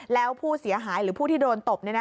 แล้วผู้เสียหายหรือผู้ที่โดนตบ